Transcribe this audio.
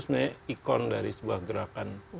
sebenarnya ikon dari sebuah gerakan